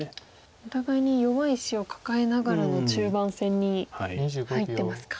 お互いに弱い石を抱えながらの中盤戦に入ってますか。